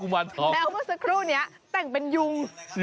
ภาพควายแดง